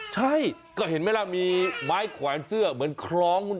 ใช่ก็เห็นไหมล่ะมีไม้แขวนเสื้อเหมือนคล้อง